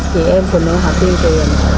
chị em phụ nữ họ tiêm tiền